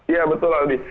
iya betul aldi